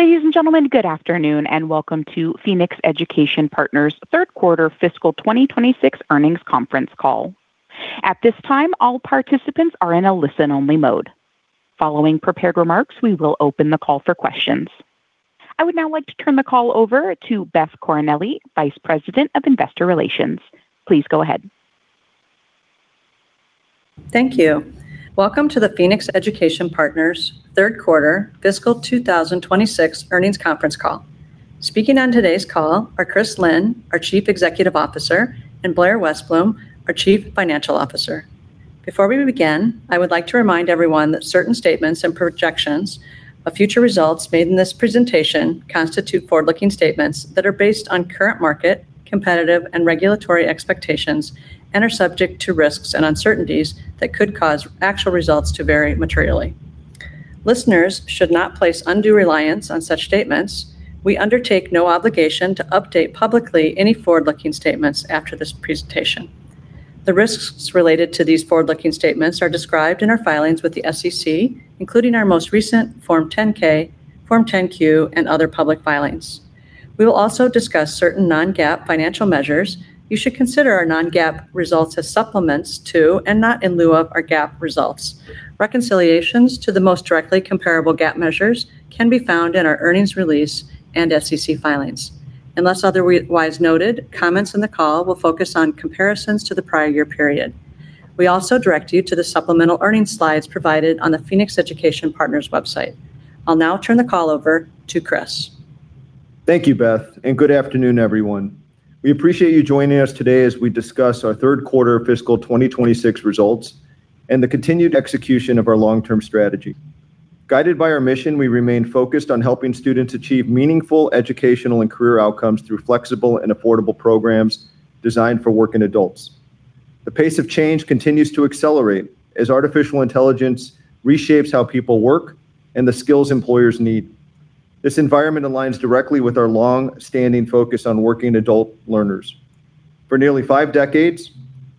Ladies and gentlemen, good afternoon, and welcome to Phoenix Education Partners' third quarter fiscal 2026 earnings conference call. At this time, all participants are in a listen-only mode. Following prepared remarks, we will open the call for questions. I would now like to turn the call over to Beth Coronelli, Vice President of Investor Relations. Please go ahead. Thank you. Welcome to the Phoenix Education Partners third quarter fiscal 2026 earnings conference call. Speaking on today's call are Chris Lynne, our Chief Executive Officer, and Blair Westblom, our Chief Financial Officer. Before we begin, I would like to remind everyone that certain statements and projections of future results made in this presentation constitute forward-looking statements that are based on current market, competitive, and regulatory expectations and are subject to risks and uncertainties that could cause actual results to vary materially. Listeners should not place undue reliance on such statements. We undertake no obligation to update publicly any forward-looking statements after this presentation. The risks related to these forward-looking statements are described in our filings with the SEC, including our most recent Form 10-K, Form 10-Q, and other public filings. We will also discuss certain non-GAAP financial measures. You should consider our non-GAAP results as supplements to, and not in lieu of, our GAAP results. Reconciliations to the most directly comparable GAAP measures can be found in our earnings release and SEC filings. Unless otherwise noted, comments on the call will focus on comparisons to the prior year period. We also direct you to the supplemental earnings slides provided on the Phoenix Education Partners website. I'll now turn the call over to Chris. Thank you, Beth, and good afternoon, everyone. We appreciate you joining us today as we discuss our third quarter fiscal 2026 results and the continued execution of our long-term strategy. Guided by our mission, we remain focused on helping students achieve meaningful educational and career outcomes through flexible and affordable programs designed for working adults. The pace of change continues to accelerate as artificial intelligence reshapes how people work and the skills employers need. This environment aligns directly with our longstanding focus on working adult learners. For nearly five decades,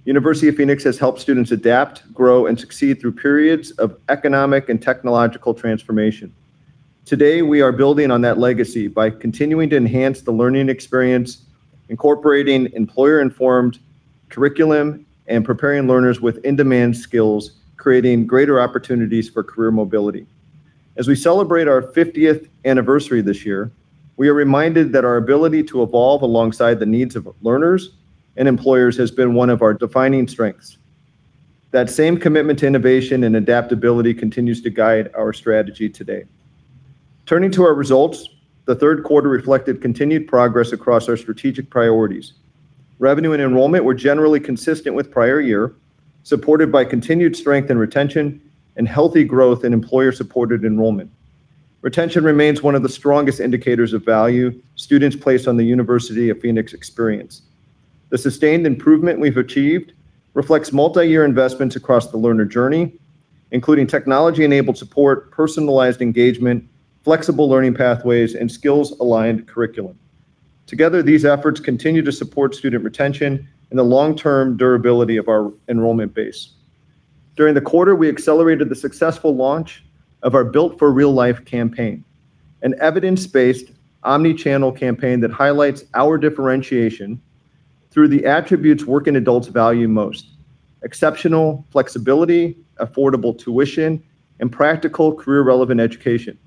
University of Phoenix has helped students adapt, grow, and succeed through periods of economic and technological transformation. Today, we are building on that legacy by continuing to enhance the learning experience, incorporating employer-informed curriculum, and preparing learners with in-demand skills, creating greater opportunities for career mobility. As we celebrate our 50th anniversary this year, we are reminded that our ability to evolve alongside the needs of learners and employers has been one of our defining strengths. That same commitment to innovation and adaptability continues to guide our strategy today. Turning to our results, the third quarter reflected continued progress across our strategic priorities. Revenue and enrollment were generally consistent with prior year, supported by continued strength in retention and healthy growth in employer-supported enrollment. Retention remains one of the strongest indicators of value students place on the University of Phoenix experience. The sustained improvement we've achieved reflects multiyear investments across the learner journey, including technology-enabled support, personalized engagement, flexible learning pathways, and skills-aligned curriculum. Together, these efforts continue to support student retention and the long-term durability of our enrollment base. During the quarter, we accelerated the successful launch of our Built for Real Life campaign, an evidence-based omni-channel campaign that highlights our differentiation through the attributes working adults value most: exceptional flexibility, affordable tuition, and practical career-relevant education,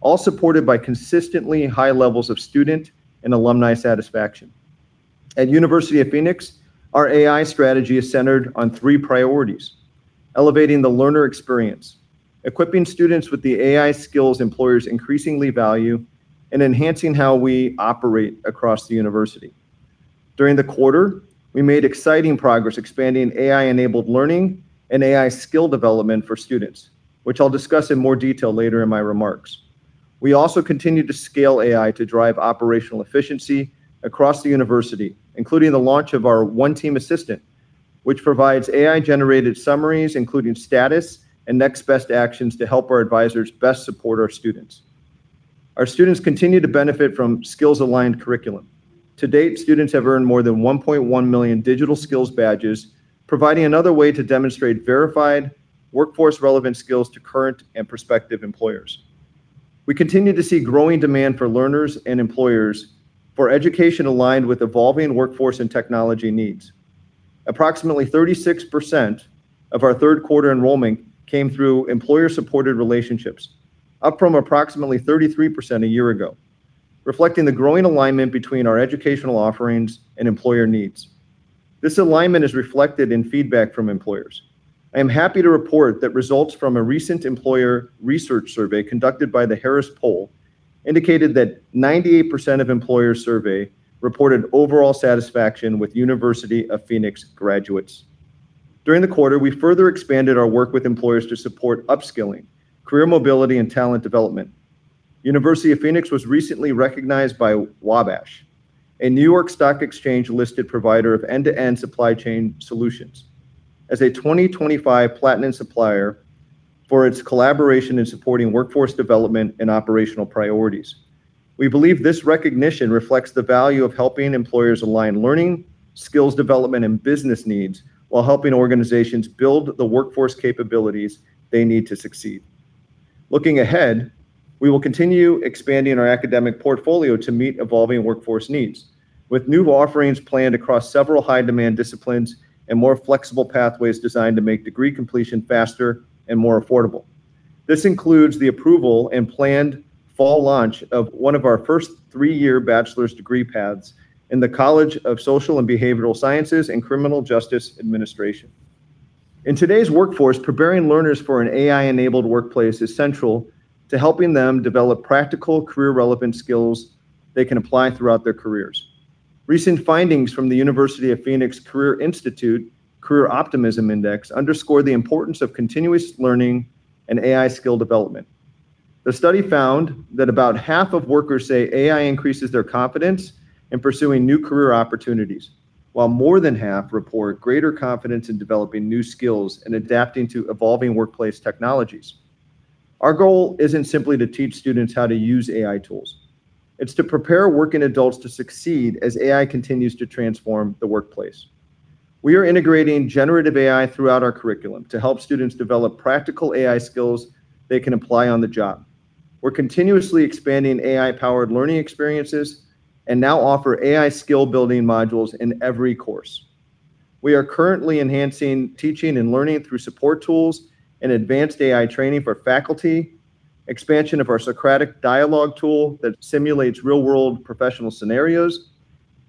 all supported by consistently high levels of student and alumni satisfaction. At University of Phoenix, our AI strategy is centered on three priorities: elevating the learner experience, equipping students with the AI skills employers increasingly value, and enhancing how we operate across the university. During the quarter, we made exciting progress expanding AI-enabled learning and AI skill development for students, which I'll discuss in more detail later in my remarks. We also continued to scale AI to drive operational efficiency across the university, including the launch of our One Team Assistant, which provides AI-generated summaries, including status and next best actions to help our advisors best support our students. Our students continue to benefit from skills-aligned curriculum. To date, students have earned more than 1.1 million digital skills badges, providing another way to demonstrate verified workforce relevant skills to current and prospective employers. We continue to see growing demand for learners and employers for education aligned with evolving workforce and technology needs. Approximately 36% of our third quarter enrollment came through employer-supported relationships, up from approximately 33% a year ago, reflecting the growing alignment between our educational offerings and employer needs. This alignment is reflected in feedback from employers. I am happy to report that results from a recent employer research survey conducted by The Harris Poll indicated that 98% of employers surveyed reported overall satisfaction with University of Phoenix graduates. During the quarter, we further expanded our work with employers to support upskilling, career mobility, and talent development. University of Phoenix was recently recognized by Wabash, a New York Stock Exchange-listed provider of end-to-end supply chain solutions, as a 2025 platinum supplier for its collaboration in supporting workforce development and operational priorities. We believe this recognition reflects the value of helping employers align learning, skills development, and business needs, while helping organizations build the workforce capabilities they need to succeed. Looking ahead, we will continue expanding our academic portfolio to meet evolving workforce needs with new offerings planned across several high-demand disciplines and more flexible pathways designed to make degree completion faster and more affordable. This includes the approval and planned fall launch of one of our first three-year bachelor's degree paths in the College of Social and Behavioral Sciences and Criminal Justice Administration. In today's workforce, preparing learners for an AI-enabled workplace is central to helping them develop practical career-relevant skills they can apply throughout their careers. Recent findings from the University of Phoenix Career Institute Career Optimism Index underscore the importance of continuous learning and AI skill development. The study found that about half of workers say AI increases their confidence in pursuing new career opportunities, while more than half report greater confidence in developing new skills and adapting to evolving workplace technologies. Our goal isn't simply to teach students how to use AI tools. It's to prepare working adults to succeed as AI continues to transform the workplace. We are integrating generative AI throughout our curriculum to help students develop practical AI skills they can apply on the job. We're continuously expanding AI-powered learning experiences and now offer AI skill-building modules in every course. We are currently enhancing teaching and learning through support tools and advanced AI training for faculty, expansion of our Socratic dialogue tool that simulates real-world professional scenarios,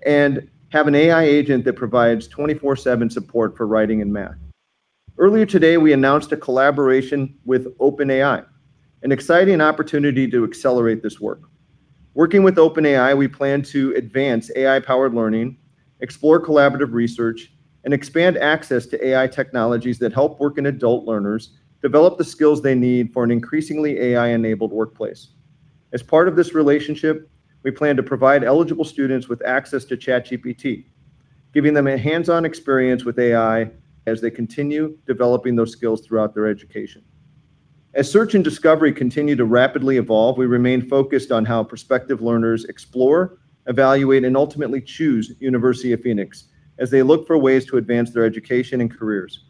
and have an AI agent that provides 24/7 support for writing and math. Earlier today, we announced a collaboration with OpenAI, an exciting opportunity to accelerate this work. Working with OpenAI, we plan to advance AI-powered learning, explore collaborative research, and expand access to AI technologies that help working adult learners develop the skills they need for an increasingly AI-enabled workplace. As part of this relationship, we plan to provide eligible students with access to ChatGPT, giving them a hands-on experience with AI as they continue developing those skills throughout their education. As search and discovery continue to rapidly evolve, we remain focused on how prospective learners explore, evaluate, and ultimately choose University of Phoenix as they look for ways to advance their education and careers.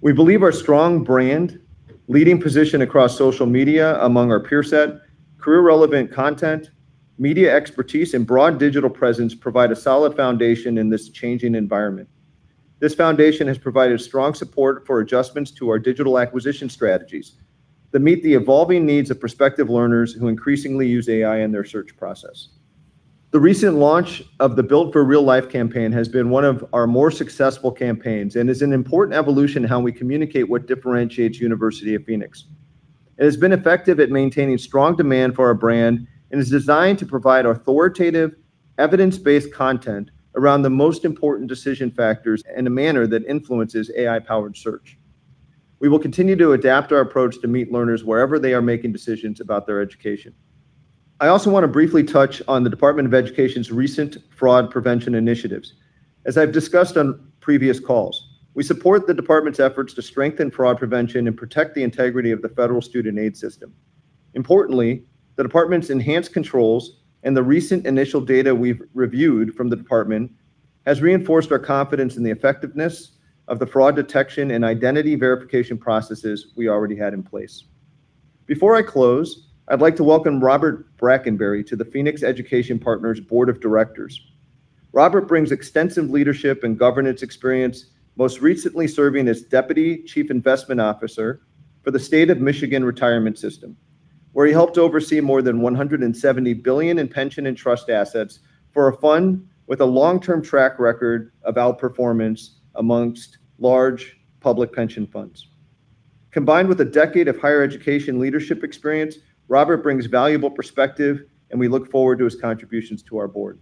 We believe our strong brand, leading position across social media among our peer set, career-relevant content, media expertise, and broad digital presence provide a solid foundation in this changing environment. This foundation has provided strong support for adjustments to our digital acquisition strategies that meet the evolving needs of prospective learners who increasingly use AI in their search process. The recent launch of the Built for Real Life campaign has been one of our more successful campaigns and is an important evolution in how we communicate what differentiates University of Phoenix. It has been effective at maintaining strong demand for our brand and is designed to provide authoritative, evidence-based content around the most important decision factors in a manner that influences AI-powered search. We will continue to adapt our approach to meet learners wherever they are making decisions about their education. I also want to briefly touch on the Department of Education's recent fraud prevention initiatives. As I've discussed on previous calls, we support the Department's efforts to strengthen fraud prevention and protect the integrity of the federal student aid system. Importantly, the Department's enhanced controls and the recent initial data we've reviewed from the Department has reinforced our confidence in the effectiveness of the fraud detection and identity verification processes we already had in place. Before I close, I'd like to welcome Robert Brackenbury to the Phoenix Education Partners Board of Directors. Robert brings extensive leadership and governance experience, most recently serving as Deputy Chief Investment Officer for the State of Michigan Retirement Systems, where he helped oversee more than $170 billion in pension and trust assets for a fund with a long-term track record of outperformance amongst large public pension funds. Combined with a decade of higher education leadership experience, Robert brings valuable perspective, and we look forward to his contributions to our board.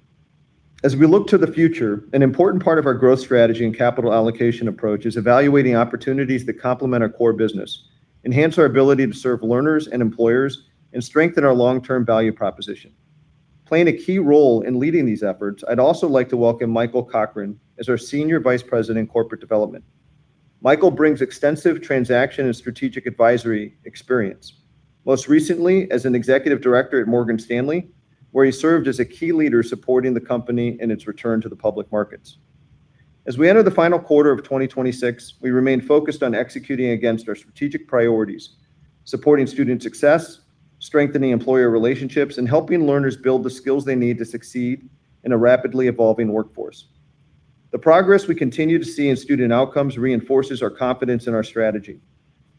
As we look to the future, an important part of our growth strategy and capital allocation approach is evaluating opportunities that complement our core business, enhance our ability to serve learners and employers, and strengthen our long-term value proposition. Playing a key role in leading these efforts, I'd also like to welcome Michael Cochran as our Senior Vice President of Corporate Development. Michael brings extensive transaction and strategic advisory experience, most recently as an Executive Director at Morgan Stanley, where he served as a key leader supporting the company in its return to the public markets. As we enter the final quarter of 2026, we remain focused on executing against our strategic priorities: supporting student success, strengthening employer relationships, and helping learners build the skills they need to succeed in a rapidly evolving workforce. The progress we continue to see in student outcomes reinforces our confidence in our strategy.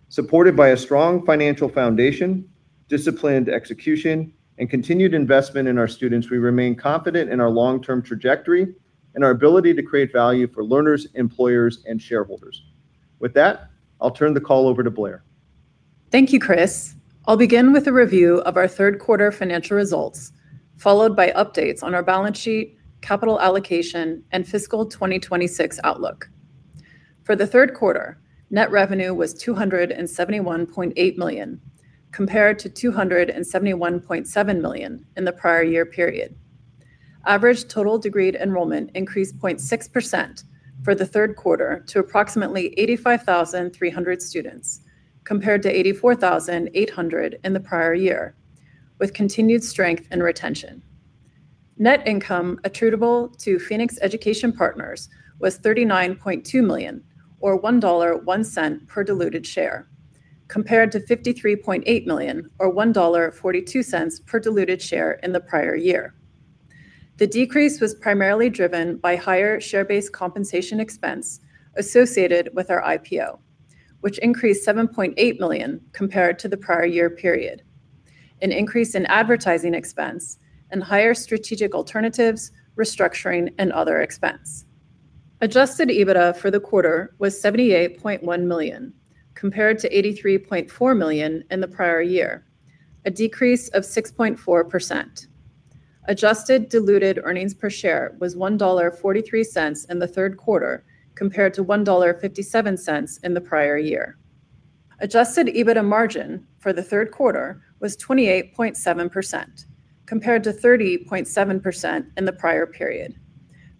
Supported by a strong financial foundation, disciplined execution, and continued investment in our students, we remain confident in our long-term trajectory and our ability to create value for learners, employers, and shareholders. With that, I'll turn the call over to Blair. Thank you, Chris. I'll begin with a review of our third quarter financial results, followed by updates on our balance sheet, capital allocation, and fiscal 2026 outlook. For the third quarter, net revenue was $271.8 million, compared to $271.7 million in the prior year period. Average total degreed enrollment increased 0.6% for the third quarter to approximately 85,300 students, compared to 84,800 in the prior year, with continued strength and retention. Net income attributable to Phoenix Education Partners was $39.2 million, or $1.01 per diluted share, compared to $53.8 million, or $1.42 per diluted share in the prior year. The decrease was primarily driven by higher share-based compensation expense associated with our IPO, which increased $7.8 million compared to the prior year period, an increase in advertising expense, and higher strategic alternatives, restructuring, and other expense. Adjusted EBITDA for the quarter was $78.1 million, compared to $83.4 million in the prior year, a decrease of 6.4%. Adjusted diluted earnings per share was $1.43 in the third quarter, compared to $1.57 in the prior year. Adjusted EBITDA margin for the third quarter was 28.7%, compared to 30.7% in the prior period,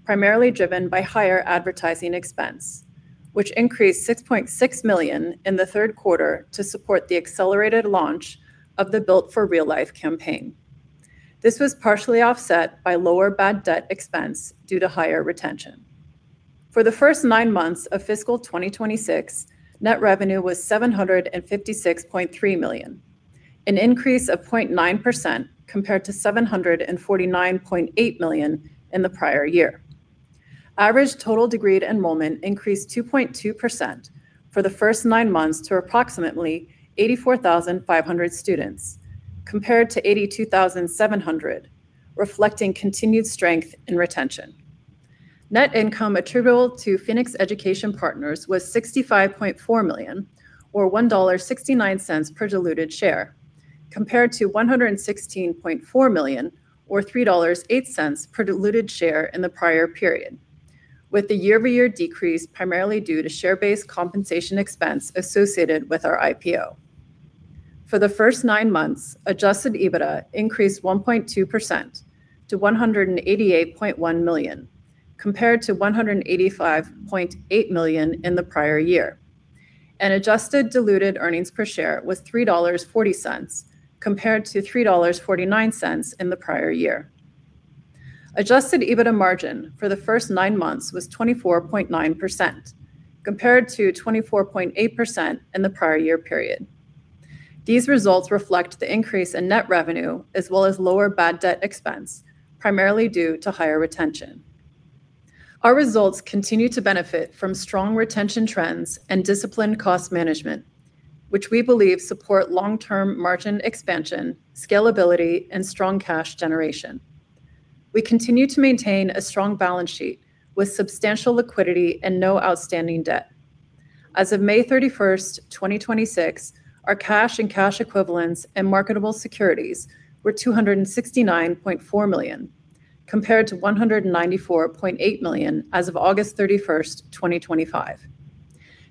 primarily driven by higher advertising expense, which increased $6.6 million in the third quarter to support the accelerated launch of the Built for Real Life campaign. This was partially offset by lower bad debt expense due to higher retention. For the first nine months of fiscal 2026, net revenue was $756.3 million, an increase of 0.9% compared to $749.8 million in the prior year. Average total degreed enrollment increased 2.2% for the first nine months to approximately 84,500 students, compared to 82,700, reflecting continued strength in retention. Net income attributable to Phoenix Education Partners was $65.4 million, or $1.69 per diluted share, compared to $116.4 million or $3.08 per diluted share in the prior period, with the year-over-year decrease primarily due to share-based compensation expense associated with our IPO. For the first nine months, adjusted EBITDA increased 1.2% to $188.1 million, compared to $185.8 million in the prior year, and adjusted diluted earnings per share was $3.40 compared to $3.49 in the prior year. Adjusted EBITDA margin for the first nine months was 24.9%, compared to 24.8% in the prior year period. These results reflect the increase in net revenue as well as lower bad debt expense, primarily due to higher retention. Our results continue to benefit from strong retention trends and disciplined cost management, which we believe support long-term margin expansion, scalability, and strong cash generation. We continue to maintain a strong balance sheet with substantial liquidity and no outstanding debt. As of May 31st, 2026, our cash and cash equivalents and marketable securities were $269.4 million, compared to $194.8 million as of August 31st, 2025.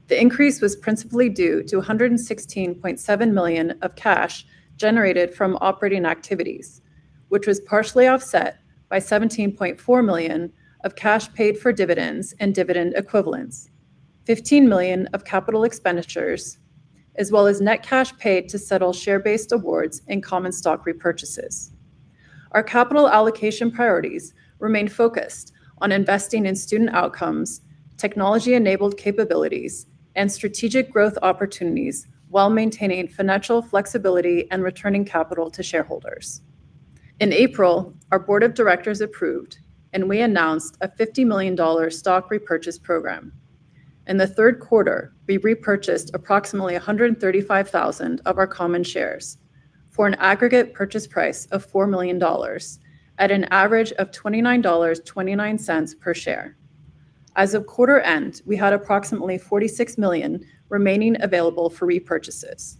The increase was principally due to $116.7 million of cash generated from operating activities, which was partially offset by $17.4 million of cash paid for dividends and dividend equivalents, $15 million of capital expenditures, as well as net cash paid to settle share-based awards and common stock repurchases. Our capital allocation priorities remain focused on investing in student outcomes, technology-enabled capabilities, and strategic growth opportunities while maintaining financial flexibility and returning capital to shareholders. In April, our Board of Directors approved and we announced a $50 million stock repurchase program. In the third quarter, we repurchased approximately 135,000 of our common shares for an aggregate purchase price of $4 million at an average of $29.29 per share. As of quarter end, we had approximately $46 million remaining available for repurchases.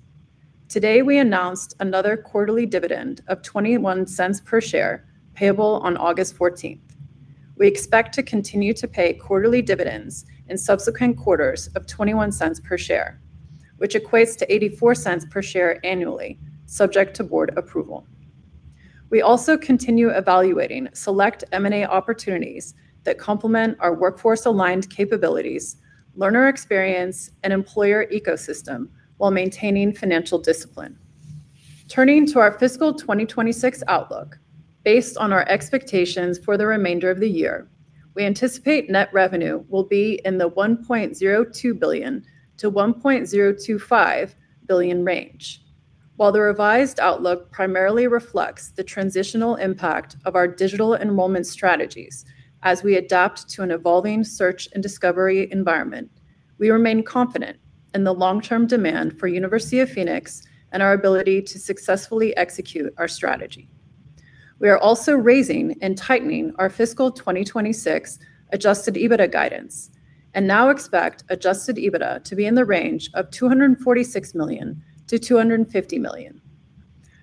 Today, we announced another quarterly dividend of $0.21 per share payable on August 14th. We expect to continue to pay quarterly dividends in subsequent quarters of $0.21 per share, which equates to $0.84 per share annually, subject to board approval. We also continue evaluating select M&A opportunities that complement our workforce-aligned capabilities, learner experience, and employer ecosystem while maintaining financial discipline. Turning to our fiscal 2026 outlook, based on our expectations for the remainder of the year, we anticipate net revenue will be in the $1.02 billion-$1.025 billion range. While the revised outlook primarily reflects the transitional impact of our digital enrollment strategies as we adapt to an evolving search and discovery environment, we remain confident in the long-term demand for University of Phoenix and our ability to successfully execute our strategy. We are also raising and tightening our fiscal 2026 adjusted EBITDA guidance and now expect adjusted EBITDA to be in the range of $246 million-$250 million.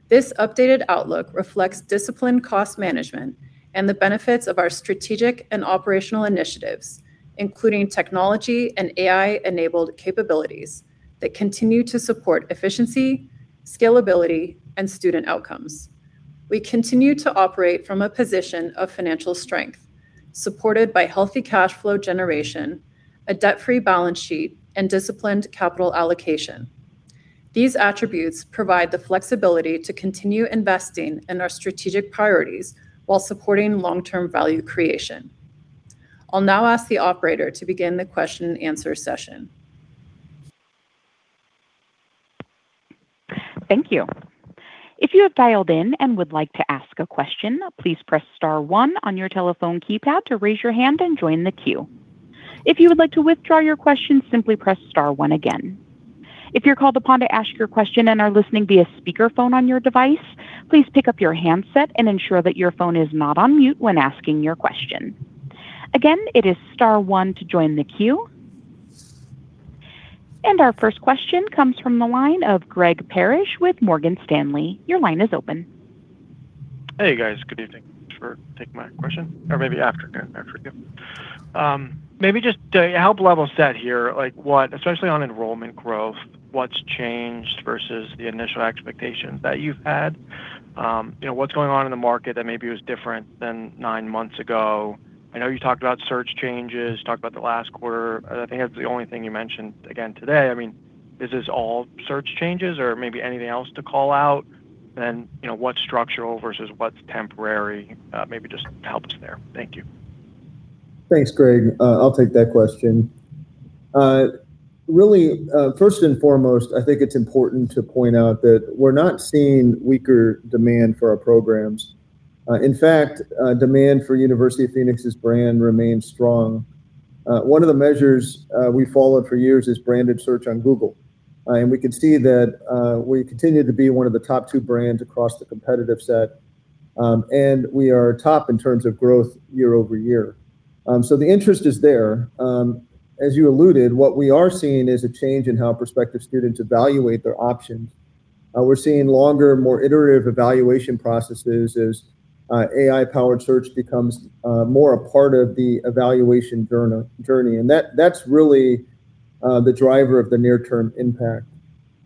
This updated outlook reflects disciplined cost management and the benefits of our strategic and operational initiatives, including technology and AI-enabled capabilities that continue to support efficiency, scalability, and student outcomes. We continue to operate from a position of financial strength, supported by healthy cash flow generation, a debt-free balance sheet, and disciplined capital allocation. These attributes provide the flexibility to continue investing in our strategic priorities while supporting long-term value creation. I'll now ask the operator to begin the question and answer session. Thank you. If you have dialed in and would like to ask a question, please press star one on your telephone keypad to raise your hand and join the queue. If you would like to withdraw your question, simply press star one again. If you're called upon to ask your question and are listening via speakerphone on your device, please pick up your handset and ensure that your phone is not on mute when asking your question. Again, it is star one to join the queue. Our first question comes from the line of Greg Parrish with Morgan Stanley. Your line is open. Hey, guys. Good evening. Thanks for taking my question. Or maybe afternoon, there for you. Maybe just to help level set here, especially on enrollment growth, what's changed versus the initial expectations that you've had? What's going on in the market that maybe was different than nine months ago? I know you talked about search changes, talked about the last quarter. I think that's the only thing you mentioned again today. Is this all search changes or maybe anything else to call out? What's structural versus what's temporary? Maybe just help us there. Thank you. Thanks, Greg. I'll take that question. Really, first and foremost, I think it's important to point out that we're not seeing weaker demand for our programs. In fact, demand for University of Phoenix's brand remains strong. One of the measures we followed for years is branded search on Google. We can see that we continue to be one of the top two brands across the competitive set. We are top in terms of growth year-over-year. The interest is there. As you alluded, what we are seeing is a change in how prospective students evaluate their options. We're seeing longer, more iterative evaluation processes as AI-powered search becomes more a part of the evaluation journey. That's really the driver of the near-term impact.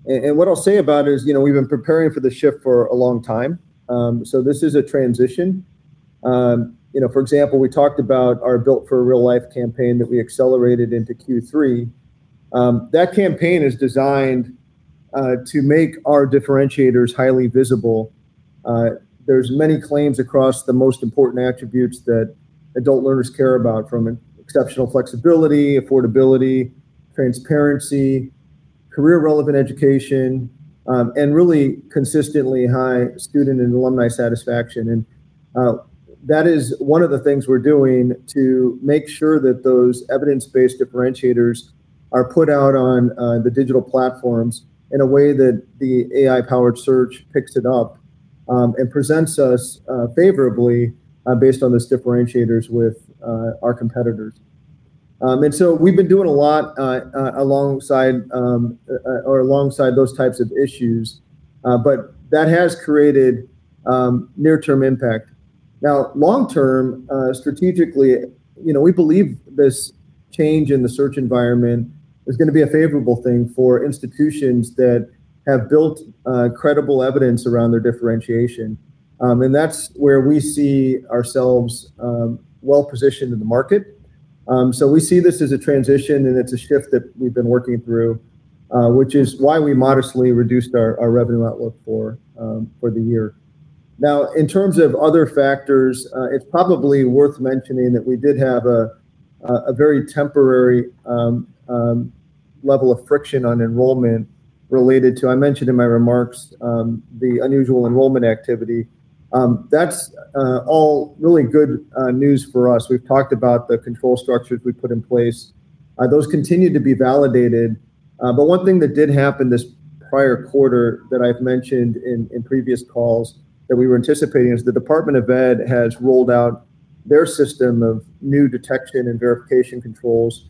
What I'll say about it is we've been preparing for this shift for a long time. This is a transition. For example, we talked about our Built for Real Life campaign that we accelerated into Q3. That campaign is designed to make our differentiators highly visible. There's many claims across the most important attributes that adult learners care about, from exceptional flexibility, affordability, transparency, career-relevant education, and really consistently high student and alumni satisfaction. That is one of the things we're doing to make sure that those evidence-based differentiators are put out on the digital platforms in a way that the AI-powered search picks it up and presents us favorably based on those differentiators with our competitors. We've been doing a lot alongside those types of issues. That has created near-term impact. Now, long-term, strategically, we believe this change in the search environment is going to be a favorable thing for institutions that have built credible evidence around their differentiation. That's where we see ourselves well-positioned in the market. We see this as a transition, and it's a shift that we've been working through, which is why we modestly reduced our revenue outlook for the year. Now, in terms of other factors, it's probably worth mentioning that we did have a very temporary level of friction on enrollment related to, I mentioned in my remarks, the unusual enrollment activity. That's all really good news for us. We've talked about the control structures we put in place. Those continue to be validated. One thing that did happen this prior quarter that I've mentioned in previous calls that we were anticipating is the Department of Education has rolled out their system of new detection and verification controls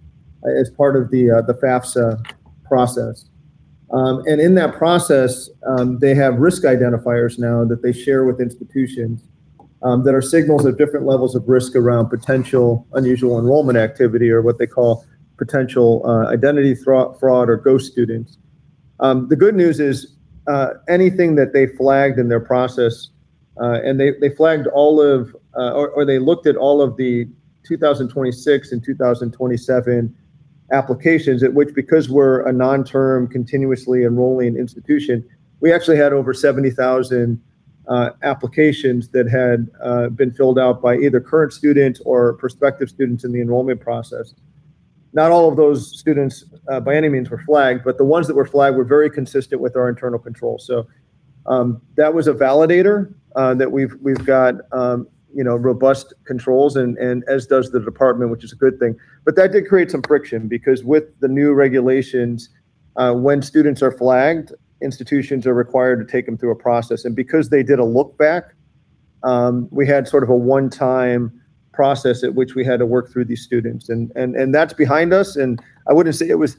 as part of the FAFSA process. In that process, they have risk identifiers now that they share with institutions that are signals of different levels of risk around potential unusual enrollment activity or what they call potential identity fraud or ghost students. The good news is anything that they flagged in their process, and they flagged all of, or they looked at all of the 2026 and 2027 applications, at which, because we're a non-term, continuously enrolling institution, we actually had over 70,000 applications that had been filled out by either current students or prospective students in the enrollment process. Not all of those students, by any means, were flagged, but the ones that were flagged were very consistent with our internal controls. That was a validator that we've got robust controls, and as does the Department, which is a good thing. That did create some friction, because with the new regulations, when students are flagged, institutions are required to take them through a process. Because they did a look back, we had sort of a one-time process at which we had to work through these students. That's behind us, and I wouldn't say it was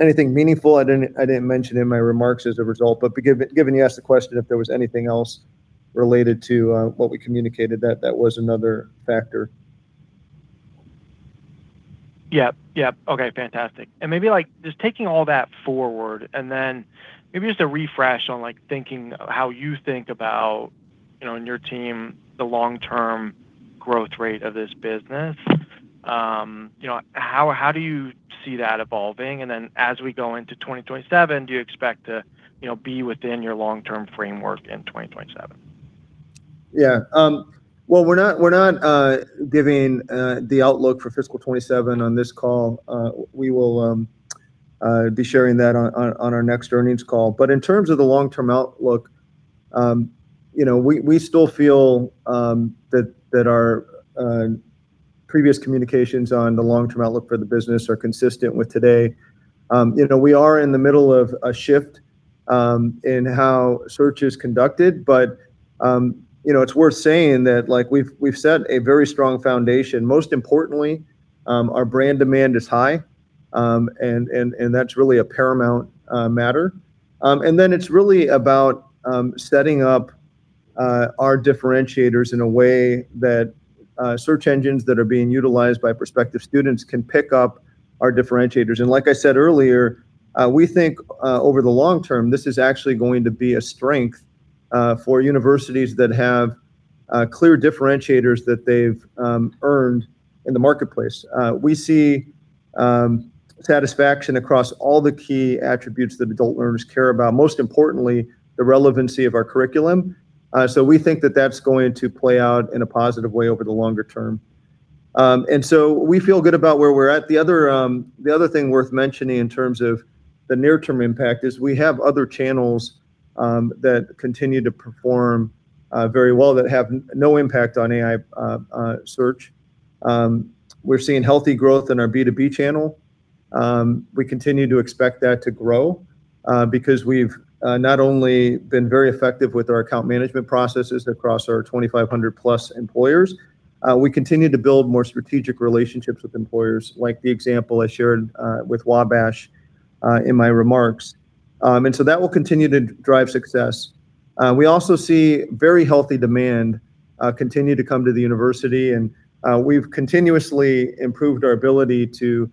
anything meaningful. I didn't mention in my remarks as a result. Given you asked the question if there was anything else related to what we communicated, that was another factor. Yep. Okay, fantastic. Maybe just taking all that forward, just a refresh on how you think about, in your team, the long-term growth rate of this business. How do you see that evolving? As we go into 2027, do you expect to be within your long-term framework in 2027? Yeah. We're not giving the outlook for fiscal 2027 on this call. We will be sharing that on our next earnings call. In terms of the long-term outlook, we still feel that our previous communications on the long-term outlook for the business are consistent with today. We are in the middle of a shift in how search is conducted. It's worth saying that we've set a very strong foundation. Most importantly, our brand demand is high. That's really a paramount matter. It's really about setting up our differentiators in a way that search engines that are being utilized by prospective students can pick up our differentiators. Like I said earlier, we think over the long term, this is actually going to be a strength for universities that have clear differentiators that they've earned in the marketplace. We see satisfaction across all the key attributes that adult learners care about, most importantly, the relevancy of our curriculum. We think that that's going to play out in a positive way over the longer term. We feel good about where we're at. The other thing worth mentioning in terms of the near-term impact is we have other channels that continue to perform very well that have no impact on AI search. We're seeing healthy growth in our B2B channel. We continue to expect that to grow, because we've not only been very effective with our account management processes across our 2,500+ employers, we continue to build more strategic relationships with employers, like the example I shared with Wabash in my remarks. That will continue to drive success. We also see very healthy demand continue to come to the university. We've continuously improved our ability to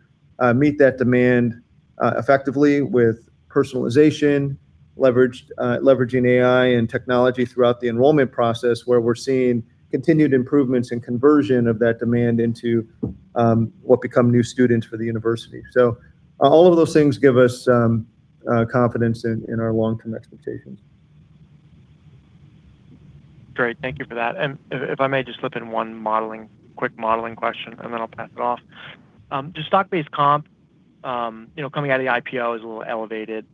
meet that demand effectively with personalization, leveraging AI and technology throughout the enrollment process, where we're seeing continued improvements in conversion of that demand into what become new students for the university. All of those things give us confidence in our long-term expectations. Great. Thank you for that. If I may just slip in one quick modeling question, then I'll pass it off. Does stock-based comp, coming out of the IPO, is a little elevated.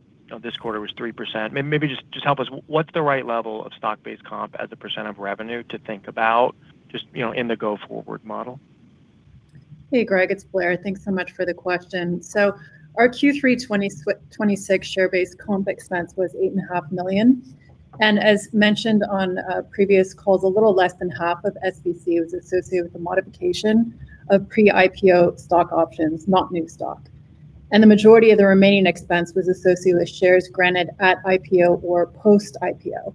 This quarter was 3%. Maybe just help us, what's the right level of stock-based comp as a percent of revenue to think about just in the go-forward model? Hey, Greg, it's Blair. Thanks so much for the question. Our Q3 2026 share-based comp expense was $8.5 million. As mentioned on previous calls, a little less than half of SBC was associated with the modification of pre-IPO stock options, not new stock. The majority of the remaining expense was associated with shares granted at IPO or post-IPO.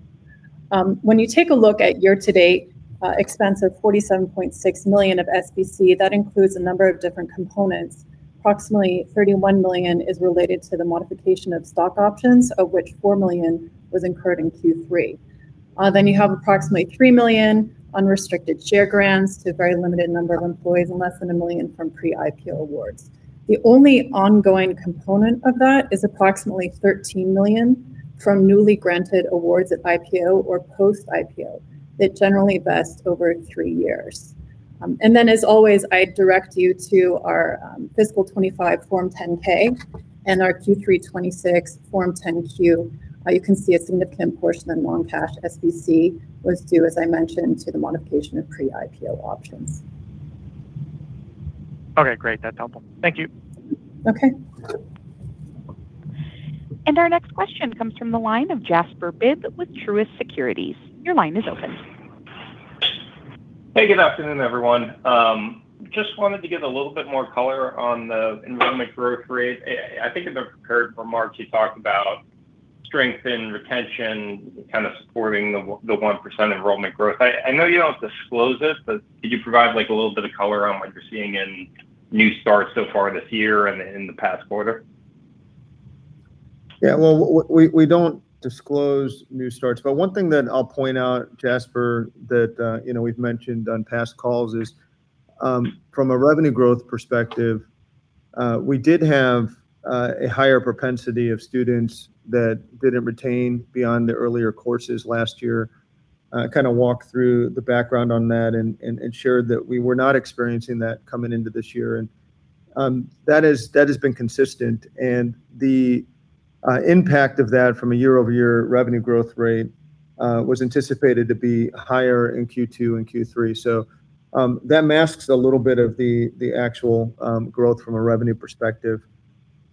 When you take a look at year-to-date expense of $47.6 million of SBC, that includes a number of different components. Approximately $31 million is related to the modification of stock options, of which $4 million was incurred in Q3. You have approximately $3 million unrestricted share grants to a very limited number of employees and less than $1 million from pre-IPO awards. The only ongoing component of that is approximately $13 million from newly granted awards at IPO or post-IPO that generally vest over three years. As always, I direct you to our fiscal 2025 Form 10-K and our Q3 2026 Form 10-Q. You can see a significant portion of non-cash SBC was due, as I mentioned, to the modification of pre-IPO options. Okay, great. That's helpful. Thank you. Okay. Our next question comes from the line of Jasper Bibb with Truist Securities. Your line is open. Hey, good afternoon, everyone. Just wanted to get a little bit more color on the enrollment growth rate. I think in the prepared remarks, you talked about strength in retention kind of supporting the 1% enrollment growth. I know you don't disclose this, but could you provide a little bit of color on what you're seeing in new starts so far this year and in the past quarter? Yeah. Well, we don't disclose new starts, but one thing that I'll point out, Jasper, that we've mentioned on past calls is, from a revenue growth perspective, we did have a higher propensity of students that didn't retain beyond the earlier courses last year. I kind of walked through the background on that and shared that we were not experiencing that coming into this year, and that has been consistent. The impact of that from a year-over-year revenue growth rate was anticipated to be higher in Q2 and Q3. That masks a little bit of the actual growth from a revenue perspective.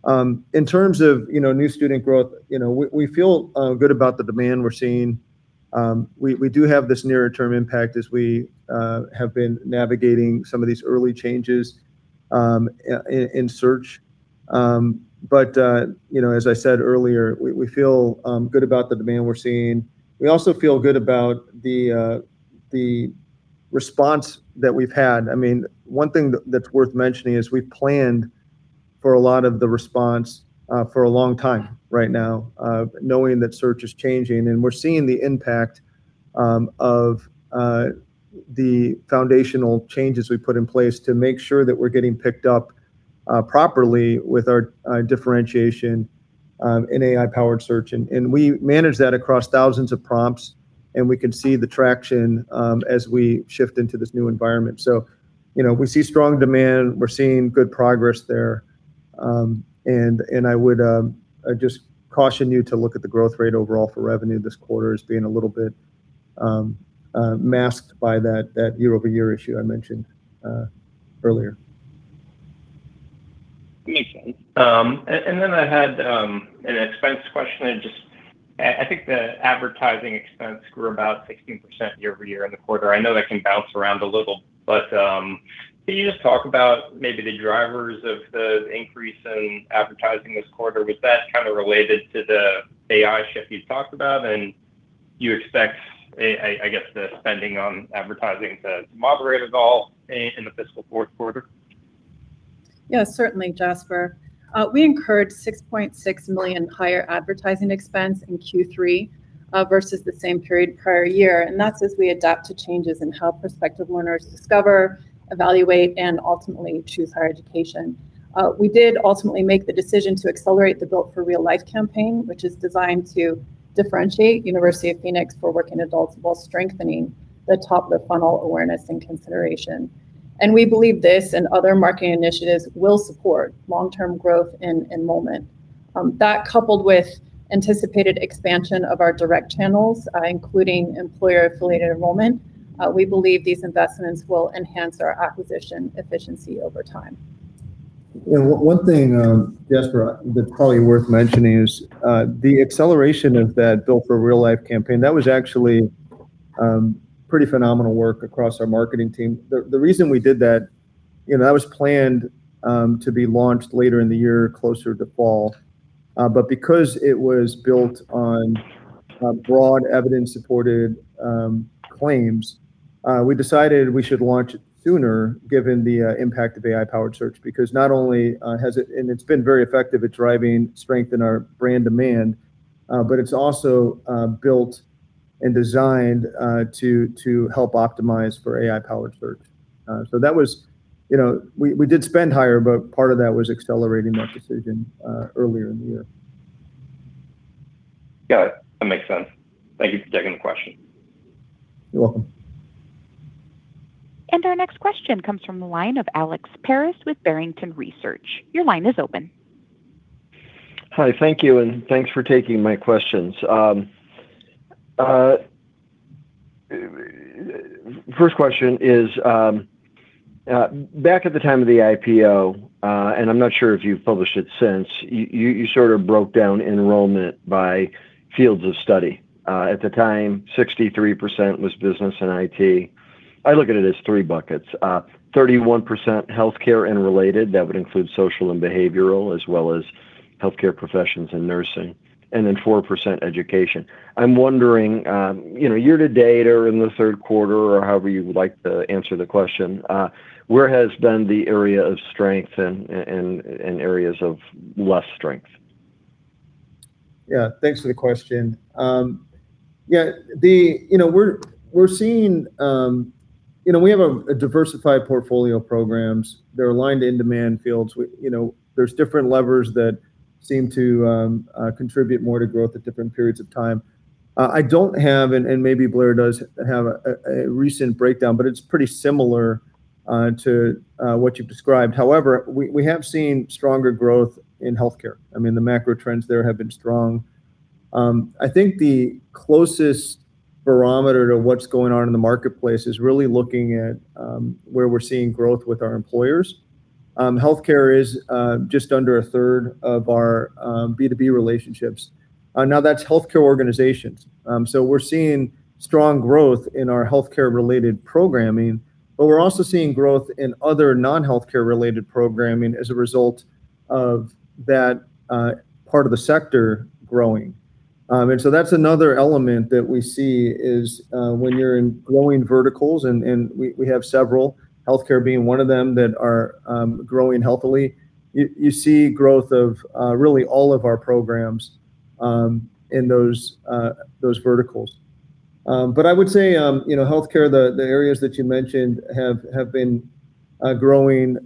In terms of new student growth, we feel good about the demand we're seeing. We do have this nearer-term impact as we have been navigating some of these early changes in search. As I said earlier, we feel good about the demand we're seeing. We also feel good about the response that we've had. One thing that's worth mentioning is we planned for a lot of the response for a long time right now, knowing that search is changing. We're seeing the impact of the foundational changes we put in place to make sure that we're getting picked up properly with our differentiation in AI-powered search. We manage that across thousands of prompts, and we can see the traction as we shift into this new environment. We see strong demand. We're seeing good progress there. I would just caution you to look at the growth rate overall for revenue this quarter as being a little bit masked by that year-over-year issue I mentioned earlier. Makes sense. Then I had an expense question. I think the advertising expense grew about 16% year-over-year in the quarter. I know that can bounce around a little, but can you just talk about maybe the drivers of the increase in advertising this quarter? Was that related to the AI shift you talked about, and you expect, I guess, the spending on advertising to moderate at all in the fiscal fourth quarter? Yeah, certainly, Jasper. We incurred $6.6 million higher advertising expense in Q3 versus the same period prior year. That's as we adapt to changes in how prospective learners discover, evaluate, and ultimately choose higher education. We did ultimately make the decision to accelerate the Built for Real Life campaign, which is designed to differentiate University of Phoenix for working adults while strengthening the top-of-funnel awareness and consideration. We believe this and other marketing initiatives will support long-term growth and enrollment. That coupled with anticipated expansion of our direct channels, including employer-affiliated enrollment, we believe these investments will enhance our acquisition efficiency over time. One thing, Jasper, that's probably worth mentioning is the acceleration of that Built for Real Life campaign. That was actually pretty phenomenal work across our marketing team. The reason we did that was planned to be launched later in the year, closer to fall. Because it was built on broad evidence-supported claims, we decided we should launch it sooner given the impact of AI-powered search, because not only it's been very effective at driving strength in our brand demand, it's also built and designed to help optimize for AI-powered search. We did spend higher, part of that was accelerating that decision earlier in the year. Got it. That makes sense. Thank you for taking the question. You're welcome. Our next question comes from the line of Alex Paris with Barrington Research. Your line is open. Hi, thank you, and thanks for taking my questions. First question is, back at the time of the IPO, and I'm not sure if you've published it since, you sort of broke down enrollment by fields of study. At the time, 63% was business and IT. I look at it as three buckets. 31% healthcare and related, that would include social and behavioral, as well as healthcare professions and nursing, and then 4% education. I'm wondering, year to date or in the third quarter, or however you would like to answer the question, where has been the area of strength and areas of less strength? Yeah, thanks for the question. We have a diversified portfolio of programs that are aligned to in-demand fields. There's different levers that seem to contribute more to growth at different periods of time. I don't have, and maybe Blair does have a recent breakdown, but it's pretty similar to what you've described. However, we have seen stronger growth in healthcare. The macro trends there have been strong. I think the closest barometer to what's going on in the marketplace is really looking at where we're seeing growth with our employers. Healthcare is just under a third of our B2B relationships. Now that's healthcare organizations. We're seeing strong growth in our healthcare-related programming, but we're also seeing growth in other non-healthcare-related programming as a result of that part of the sector growing. That's another element that we see is when you're in growing verticals, and we have several, healthcare being one of them, that are growing healthily. You see growth of really all of our programs in those verticals. I would say, healthcare, the areas that you mentioned, have been growing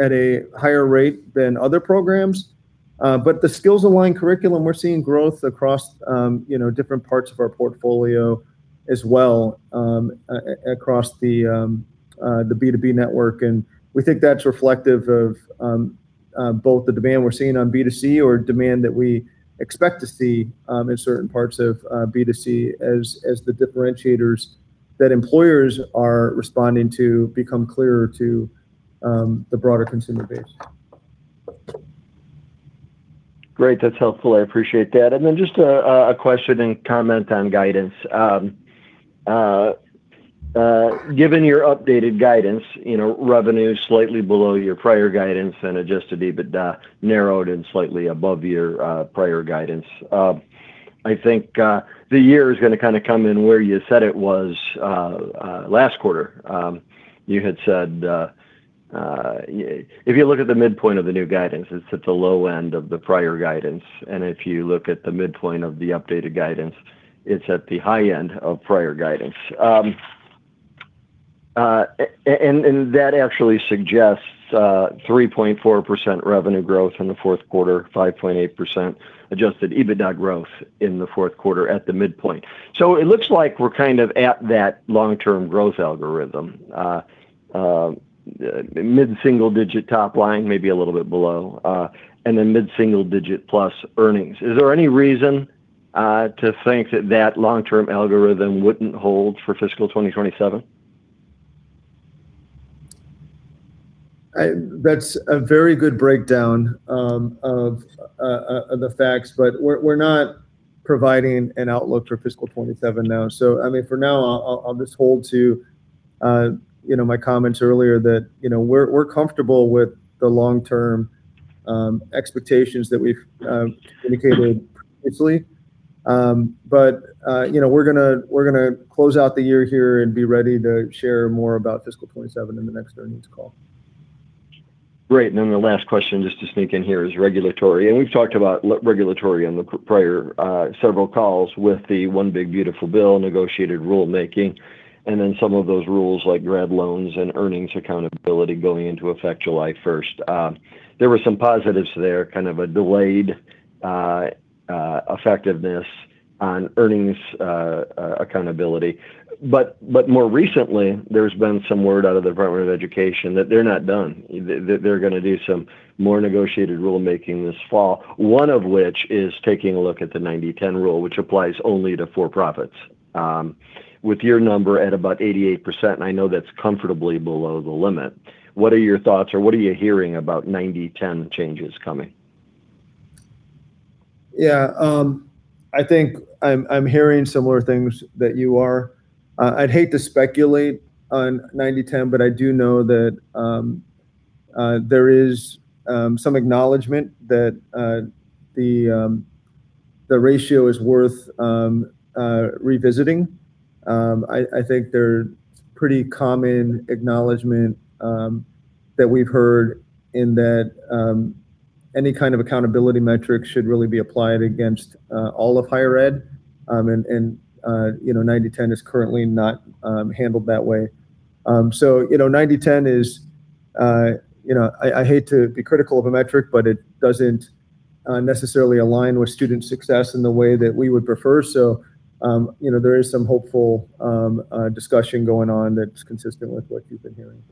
at a higher rate than other programs. The skills-aligned curriculum, we're seeing growth across different parts of our portfolio as well across the B2B network. We think that's reflective of both the demand we're seeing on B2C or demand that we expect to see in certain parts of B2C as the differentiators that employers are responding to become clearer to the broader consumer base. Great. That's helpful. I appreciate that. Just a question and comment on guidance. Given your updated guidance, revenue slightly below your prior guidance and adjusted EBITDA narrowed and slightly above your prior guidance. I think the year is going to come in where you said it was last quarter. You had said if you look at the midpoint of the new guidance, it's at the low end of the prior guidance, and if you look at the midpoint of the updated guidance, it's at the high end of prior guidance. That actually suggests 3.4% revenue growth in the fourth quarter, 5.8% adjusted EBITDA growth in the fourth quarter at the midpoint. It looks like we're at that long-term growth algorithm. Mid-single digit top line, maybe a little bit below, and then mid-single digit plus earnings. Is there any reason to think that that long-term algorithm wouldn't hold for fiscal 2027? That's a very good breakdown of the facts, we're not providing an outlook for fiscal 2027 now. For now, I'll just hold to my comments earlier that we're comfortable with the long-term expectations that we've indicated previously. We're going to close out the year here and be ready to share more about fiscal 2027 in the next earnings call. Great. Then the last question, just to sneak in here, is regulatory. We've talked about regulatory on the prior several calls with the one big beautiful bill, negotiated rulemaking, and then some of those rules like grad loans and earnings accountability going into effect July 1st. There were some positives there, kind of a delayed effectiveness on earnings accountability. More recently, there's been some word out of the Department of Education that they're not done, that they're going to do some more negotiated rulemaking this fall, one of which is taking a look at the 90/10 rule, which applies only to for-profits. With your number at about 88%, I know that's comfortably below the limit. What are your thoughts or what are you hearing about 90/10 changes coming? Yeah. I think I'm hearing similar things that you are. I'd hate to speculate on 90/10. I do know that there is some acknowledgment that the ratio is worth revisiting. I think they're pretty common acknowledgment that we've heard in that any kind of accountability metrics should really be applied against all of higher ed. 90/10 is I hate to be critical of a metric, but it doesn't necessarily align with student success in the way that we would prefer. There is some hopeful discussion going on that's consistent with what you've been hearing.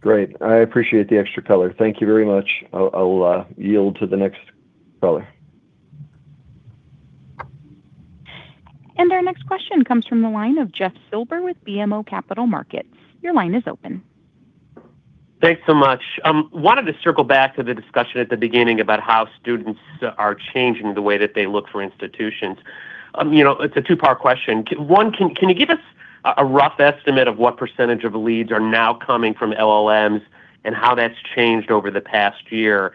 Great. I appreciate the extra color. Thank you very much. I'll yield to the next caller. Our next question comes from the line of Jeff Silber with BMO Capital Markets. Your line is open. Thanks so much. I wanted to circle back to the discussion at the beginning about how students are changing the way that they look for institutions. It's a two-part question. One, can you give us a rough estimate of what percentage of leads are now coming from LLMs and how that's changed over the past year?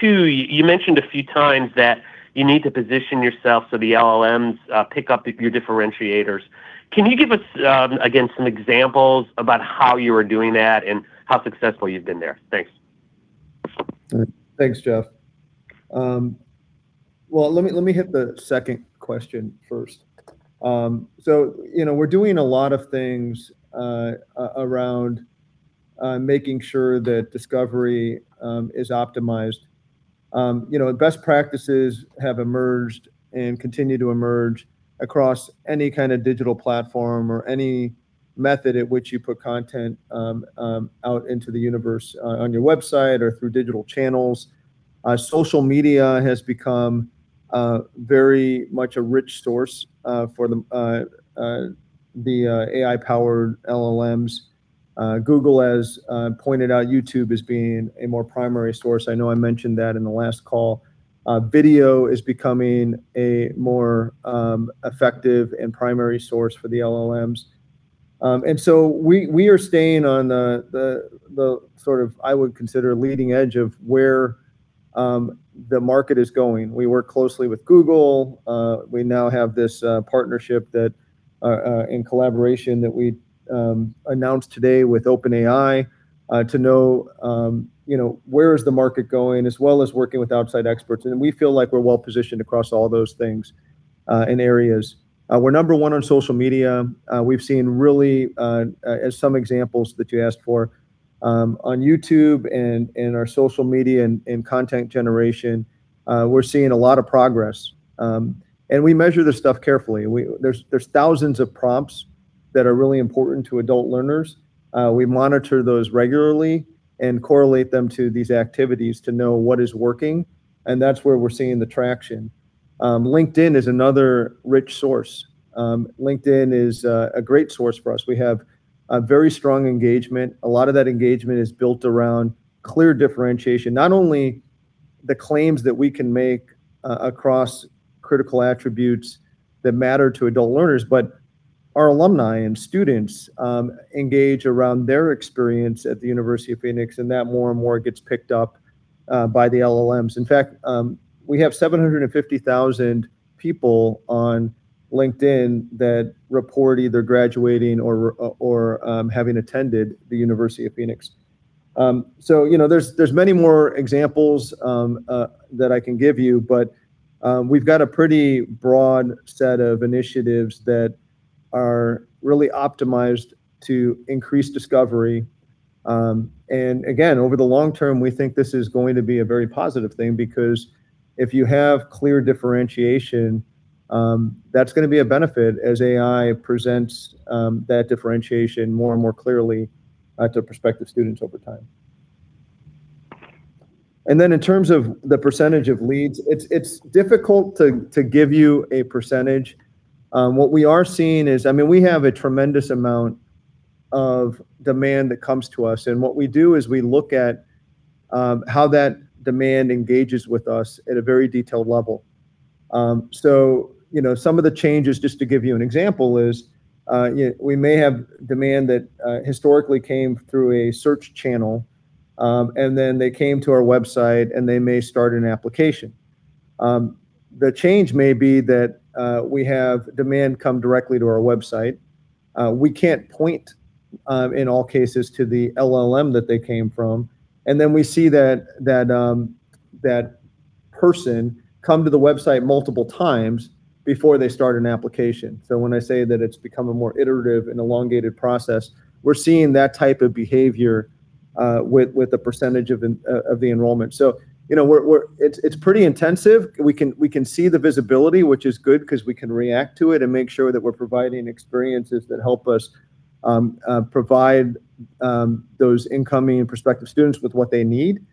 Two, you mentioned a few times that you need to position yourself so the LLMs pick up your differentiators. Can you give us, again, some examples about how you are doing that and how successful you've been there? Thanks. Thanks, Jeff. Let me hit the second question first. We're doing a lot of things around making sure that discovery is optimized. Best practices have emerged and continue to emerge across any kind of digital platform or any method at which you put content out into the universe on your website or through digital channels. Social media has become very much a rich source for the AI-powered LLMs. Google has pointed out YouTube as being a more primary source. I know I mentioned that in the last call. Video is becoming a more effective and primary source for the LLMs. We are staying on the, I would consider, leading edge of where the market is going. We work closely with Google. We now have this partnership in collaboration that we announced today with OpenAI, to know where is the market going, as well as working with outside experts. We feel like we're well-positioned across all those things and areas. We're number one on social media. We've seen really, as some examples that you asked for, on YouTube and our social media and content generation, we're seeing a lot of progress. We measure this stuff carefully. There's thousands of prompts that are really important to adult learners. We monitor those regularly and correlate them to these activities to know what is working, and that's where we're seeing the traction. LinkedIn is another rich source. LinkedIn is a great source for us. We have a very strong engagement. A lot of that engagement is built around clear differentiation, not only the claims that we can make across critical attributes that matter to adult learners, but our alumni and students engage around their experience at the University of Phoenix, and that more and more gets picked up by the LLMs. In fact, we have 750,000 people on LinkedIn that report either graduating or having attended the University of Phoenix. There's many more examples that I can give you, but we've got a pretty broad set of initiatives that are really optimized to increase discovery. Again, over the long term, we think this is going to be a very positive thing because if you have clear differentiation, that's going to be a benefit as AI presents that differentiation more and more clearly to prospective students over time. In terms of the percentage of leads, it's difficult to give you a percentage. What we are seeing is we have a tremendous amount of demand that comes to us, and what we do is we look at how that demand engages with us at a very detailed level. Some of the changes, just to give you an example, is we may have demand that historically came through a search channel, and then they came to our website and they may start an application. The change may be that we have demand come directly to our website. We can't point in all cases to the LLM that they came from. Then we see that person come to the website multiple times before they start an application. When I say that it's become a more iterative and elongated process, we're seeing that type of behavior with the percentage of the enrollment. It's pretty intensive. We can see the visibility, which is good because we can react to it and make sure that we're providing experiences that help us provide those incoming prospective students with what they need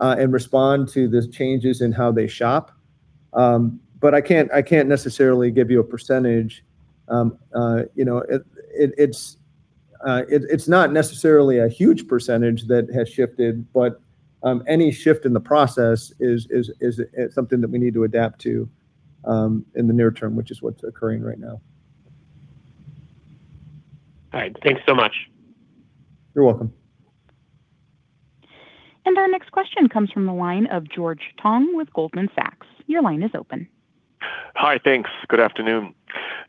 and respond to the changes in how they shop, but I can't necessarily give you a percentage. It's not necessarily a huge percentage that has shifted, but any shift in the process is something that we need to adapt to in the near term, which is what's occurring right now. All right. Thanks so much. You're welcome. Our next question comes from the line of George Tong with Goldman Sachs. Your line is open. Hi, thanks. Good afternoon.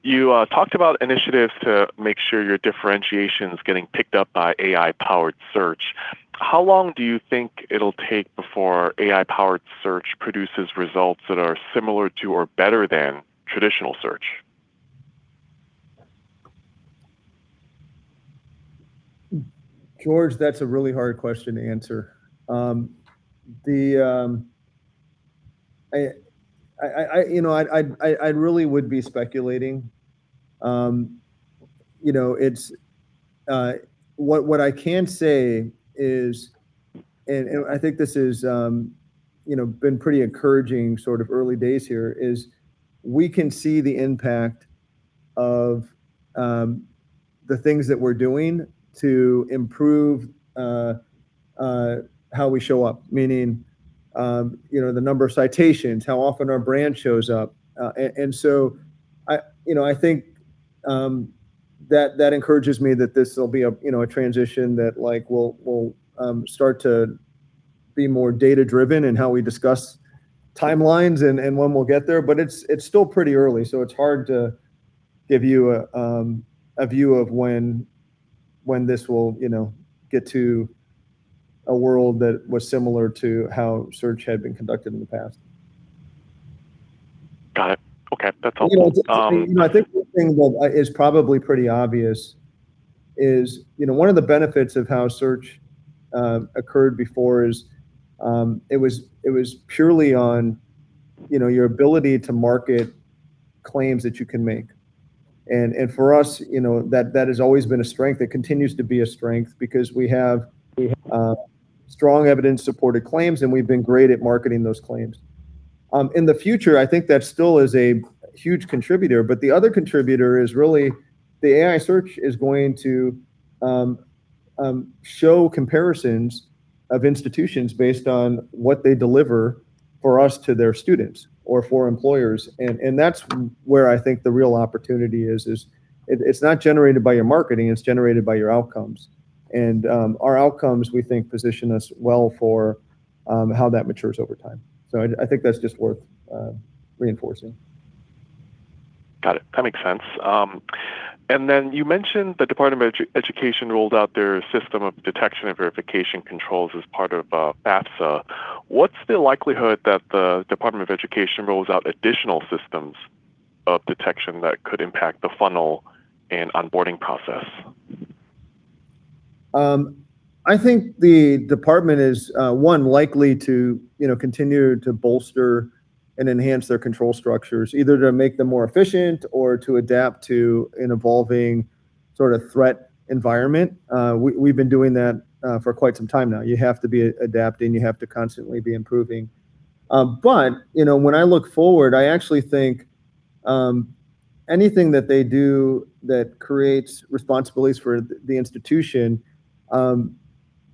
You talked about initiatives to make sure your differentiation is getting picked up by AI-powered search. How long do you think it'll take before AI-powered search produces results that are similar to or better than traditional search? George, that's a really hard question to answer. I really would be speculating. What I can say is, I think this has been pretty encouraging sort of early days here, is we can see the impact of the things that we're doing to improve how we show up, meaning the number of citations, how often our brand shows up. So I think that encourages me that this will be a transition that we'll start to be more data-driven in how we discuss timelines and when we'll get there. It's still pretty early, so it's hard to give you a view of when this will get to a world that was similar to how search had been conducted in the past. Got it. Okay. That's helpful. I think the thing that is probably pretty obvious is one of the benefits of how search occurred before is it was purely on your ability to market claims that you can make. For us, that has always been a strength, that continues to be a strength because we have strong evidence-supported claims, and we've been great at marketing those claims. In the future, I think that still is a huge contributor, but the other contributor is really the AI search is going to show comparisons of institutions based on what they deliver for us to their students or for employers. That's where I think the real opportunity is. It's not generated by your marketing, it's generated by your outcomes. Our outcomes, we think, position us well for how that matures over time. I think that's just worth reinforcing. Got it. That makes sense. Then you mentioned the Department of Education rolled out their system of detection and verification controls as part of FAFSA. What's the likelihood that the Department of Education rolls out additional systems of detection that could impact the funnel and onboarding process? I think the Department is, one, likely to continue to bolster and enhance their control structures, either to make them more efficient or to adapt to an evolving sort of threat environment. We've been doing that for quite some time now. You have to be adapting. You have to constantly be improving. When I look forward, I actually think anything that they do that creates responsibilities for the institution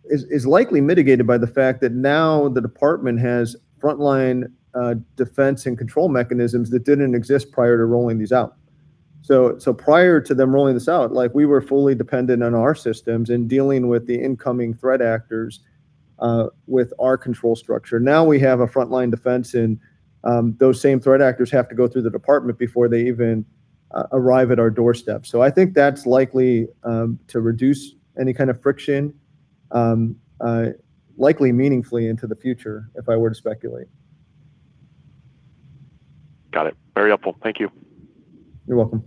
is likely mitigated by the fact that now the Department has frontline defense and control mechanisms that didn't exist prior to rolling these out. Prior to them rolling this out, we were fully dependent on our systems in dealing with the incoming threat actors with our control structure. Now we have a frontline defense, and those same threat actors have to go through the Department before they even arrive at our doorstep. I think that's likely to reduce any kind of friction, likely meaningfully into the future if I were to speculate. Got it. Very helpful. Thank you. You're welcome.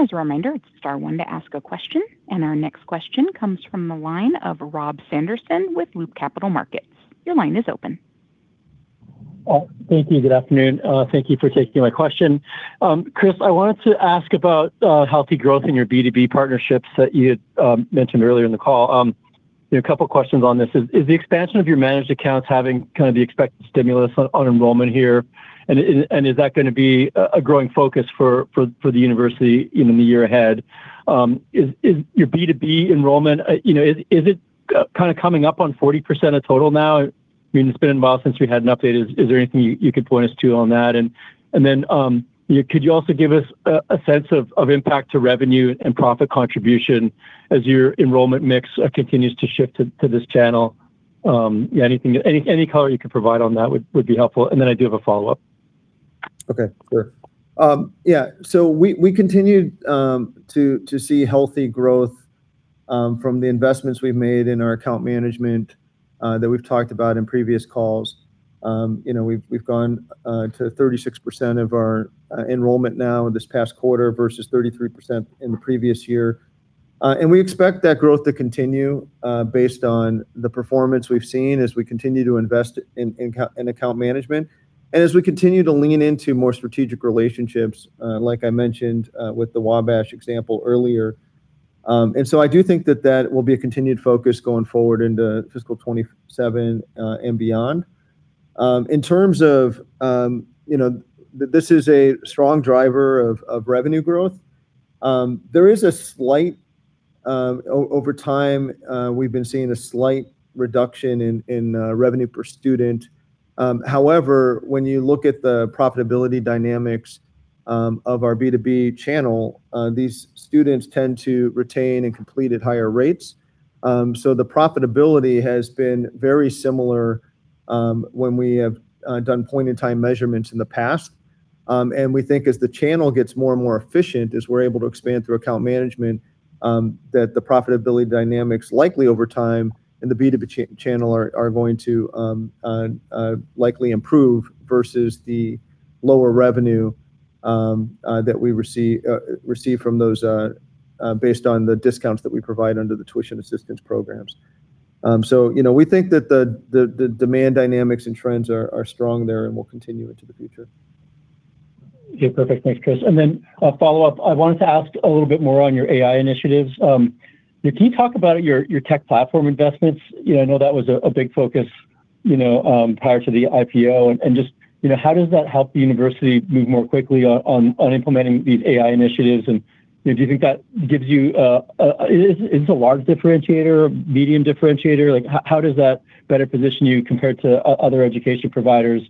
As a reminder, it's star one to ask a question, and our next question comes from the line of Rob Sanderson with Loop Capital Markets. Your line is open. Thank you. Good afternoon. Thank you for taking my question. Chris, I wanted to ask about healthy growth in your B2B partnerships that you had mentioned earlier in the call. A couple of questions on this. Is the expansion of your managed accounts having the expected stimulus on enrollment here, and is that going to be a growing focus for the university in the year ahead? Is your B2B enrollment, is it coming up on 40% of total now? It's been a while since we had an update. Is there anything you could point us to on that? Could you also give us a sense of impact to revenue and profit contribution as your enrollment mix continues to shift to this channel? Any color you could provide on that would be helpful. I do have a follow-up. Okay. Sure. Yeah. We continue to see healthy growth from the investments we've made in our account management that we've talked about in previous calls. We've gone to 36% of our enrollment now this past quarter versus 33% in the previous year. We expect that growth to continue based on the performance we've seen as we continue to invest in account management and as we continue to lean into more strategic relationships, like I mentioned with the Wabash example earlier. I do think that that will be a continued focus going forward into fiscal 2027, and beyond. In terms of, this is a strong driver of revenue growth. Over time, we've been seeing a slight reduction in revenue per student. However, when you look at the profitability dynamics of our B2B channel, these students tend to retain and complete at higher rates. The profitability has been very similar when we have done point-in-time measurements in the past. We think as the channel gets more and more efficient, as we're able to expand through account management, that the profitability dynamics likely over time in the B2B channel are going to likely improve versus the lower revenue that we receive from those based on the discounts that we provide under the tuition assistance programs. We think that the demand dynamics and trends are strong there and will continue into the future. Yeah, perfect. Thanks, Chris. A follow-up, I wanted to ask a little bit more on your AI initiatives. Can you talk about your tech platform investments? I know that was a big focus prior to the IPO, just how does that help the university move more quickly on implementing these AI initiatives, do you think that is a large differentiator, medium differentiator? How does that better position you compared to other education providers?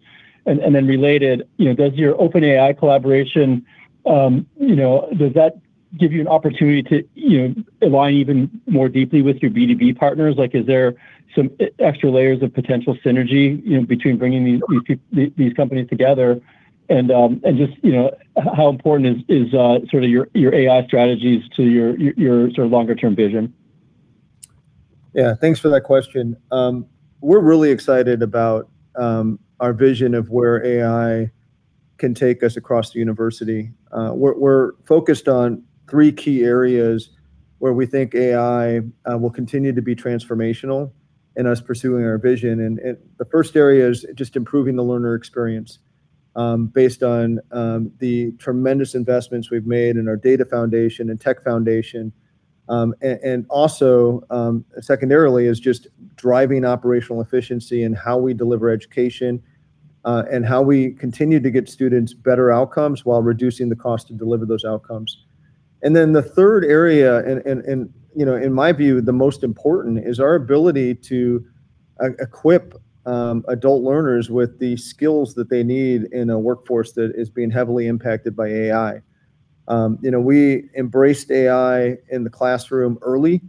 Then related, does your OpenAI collaboration, does that give you an opportunity to align even more deeply with your B2B partners? Is there some extra layers of potential synergy between bringing these companies together just how important is your AI strategies to your longer-term vision? Yeah. Thanks for that question. We're really excited about our vision of where AI can take us across the university. We're focused on three key areas where we think AI will continue to be transformational in us pursuing our vision, the first area is just improving the learner experience based on the tremendous investments we've made in our data foundation and tech foundation. Secondarily, is just driving operational efficiency in how we deliver education, how we continue to give students better outcomes while reducing the cost to deliver those outcomes. The third area, and in my view, the most important, is our ability to equip adult learners with the skills that they need in a workforce that is being heavily impacted by AI. We embraced AI in the classroom early,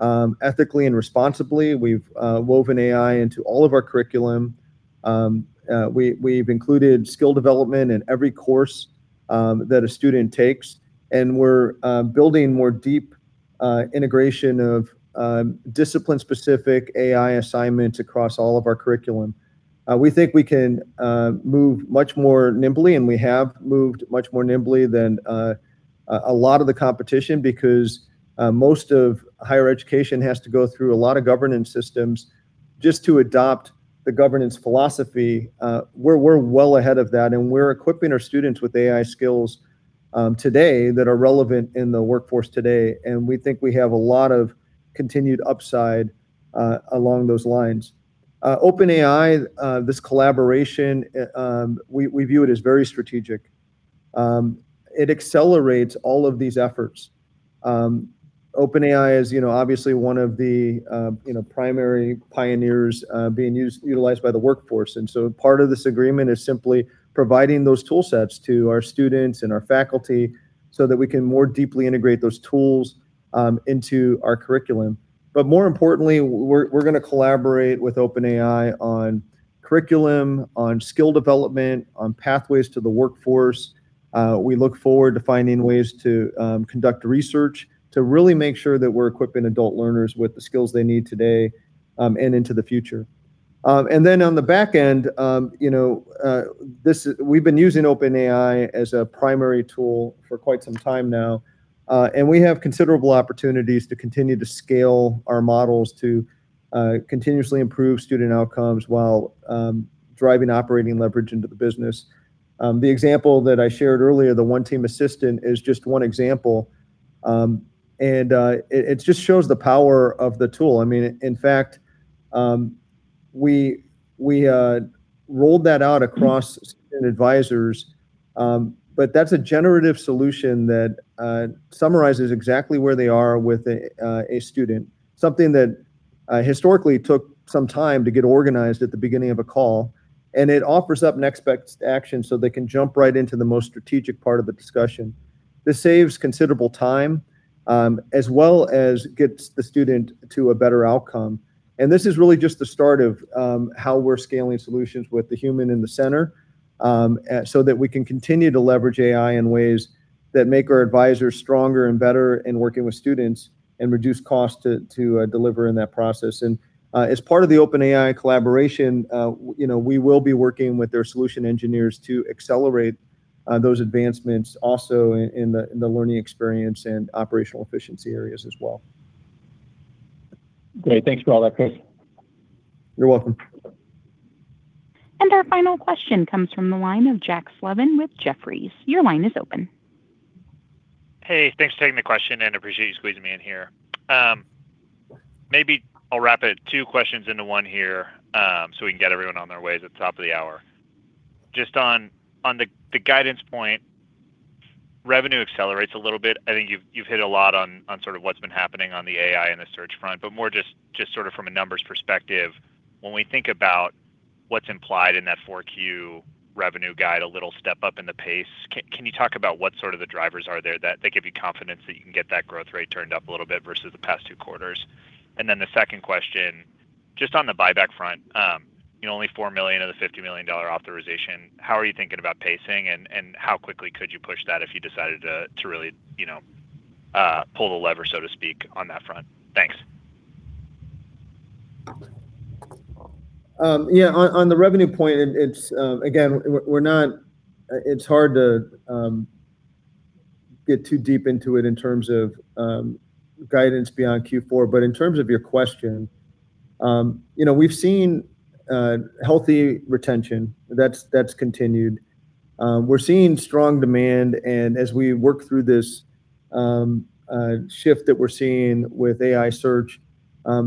ethically and responsibly. We've woven AI into all of our curriculum. We've included skill development in every course that a student takes. We're building more deep integration of discipline-specific AI assignments across all of our curriculum. We think we can move much more nimbly, we have moved much more nimbly than a lot of the competition because most of higher education has to go through a lot of governance systems. Just to adopt the governance philosophy, we're well ahead of that. We're equipping our students with AI skills today that are relevant in the workforce today. We think we have a lot of continued upside along those lines. OpenAI, this collaboration, we view it as very strategic. It accelerates all of these efforts. OpenAI is obviously one of the primary pioneers being utilized by the workforce. Part of this agreement is simply providing those tool sets to our students and our faculty so that we can more deeply integrate those tools into our curriculum. More importantly, we're going to collaborate with OpenAI on curriculum, on skill development, on pathways to the workforce. We look forward to finding ways to conduct research to really make sure that we're equipping adult learners with the skills they need today, and into the future. On the back end, we've been using OpenAI as a primary tool for quite some time now. We have considerable opportunities to continue to scale our models to continuously improve student outcomes while driving operating leverage into the business. The example that I shared earlier, the One Team Assistant, is just one example. It just shows the power of the tool. I mean, in fact, we rolled that out across student advisors, but that's a generative solution that summarizes exactly where they are with a student. Something that historically took some time to get organized at the beginning of a call, and it offers up next best action, so they can jump right into the most strategic part of the discussion. This saves considerable time, as well as gets the student to a better outcome. This is really just the start of how we're scaling solutions with the human in the center, so that we can continue to leverage AI in ways that make our advisors stronger and better in working with students and reduce costs to deliver in that process. As part of the OpenAI collaboration, we will be working with their solution engineers to accelerate those advancements also in the learning experience and operational efficiency areas as well. Great. Thanks for all that, Chris. You're welcome. Our final question comes from the line of Jack Slevin with Jefferies. Your line is open. Hey, thanks for taking the question, and appreciate you squeezing me in here. Maybe I'll wrap it two questions into one here, so we can get everyone on their ways at the top of the hour. Just on the guidance point, revenue accelerates a little bit. I think you've hit a lot on sort of what's been happening on the AI and the search front, but more just sort of from a numbers perspective, when we think about what's implied in that 4Q revenue guide, a little step up in the pace. Can you talk about what sort of the drivers are there that give you confidence that you can get that growth rate turned up a little bit versus the past two quarters? The second question, just on the buyback front. Only $4 million of the $50 million authorization, how are you thinking about pacing and how quickly could you push that if you decided to really pull the lever, so to speak, on that front? Thanks. Yeah. On the revenue point, it's hard to get too deep into it in terms of guidance beyond Q4. In terms of your question, we've seen healthy retention. That's continued. We're seeing strong demand, as we work through this shift that we're seeing with AI search,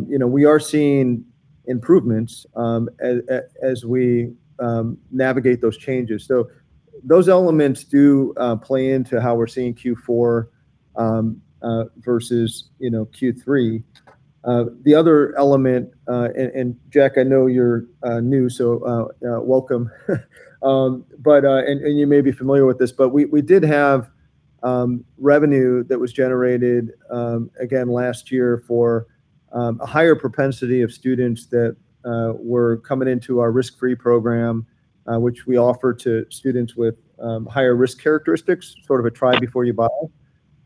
we are seeing improvements as we navigate those changes. Those elements do play into how we're seeing Q4 versus Q3. The other element, Jack, I know you're new, so welcome. You may be familiar with this, we did have revenue that was generated again last year for a higher propensity of students that were coming into our risk-free program, which we offer to students with higher risk characteristics, sort of a try before you buy.